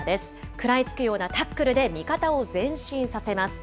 食らいつくようなタックルで味方を前進させます。